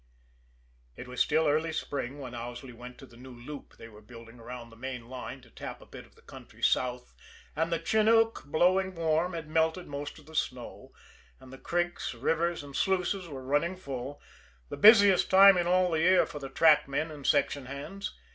It was still early spring when Owsley went to the new loop they were building around the main line to tap a bit of the country south, and the chinook, blowing warm, had melted most of the snow, and the creeks, rivers and sluices were running full the busiest time in all the year for the trackmen and section hands.